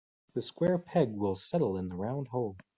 The square peg will settle in the round hole.